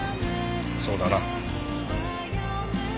そうだな。